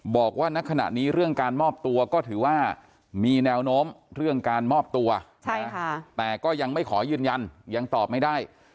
บอกว่าณขณะนี้เรื่องการมอบตัวก็ถือว่ามีแนวโน้มเรื่องการมอบตัวแต่ก็ยังไม่ขอยืนยันยังตอบไม่ได้